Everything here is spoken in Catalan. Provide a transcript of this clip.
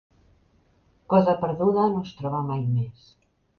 Cosa perduda no es troba mai més.